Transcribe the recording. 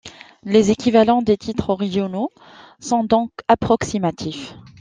Les équivalents des titres originaux sont donc approximatifs.